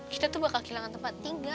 kita tuh bakal kehilangan tempat tinggal